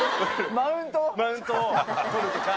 マウントを取るとか。